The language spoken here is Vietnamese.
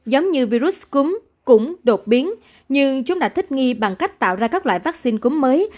giống như virus cúm cũng đột biến nhưng chúng đã thích nghi bằng cách tạo ra các loại vaccine cúm mới